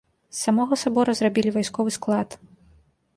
З самога сабора зрабілі вайсковы склад.